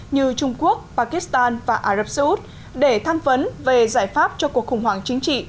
như trung quốc pakistan và ả rập xê út để tham vấn về giải pháp cho cuộc khủng hoảng chính trị